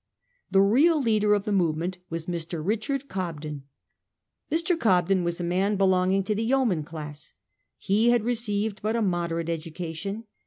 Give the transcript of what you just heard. The real leader of the movement was Mr. Richard Cobden. Mr. Cobden was a man belonging to the yeoman class. He had received but a moderate edu cation.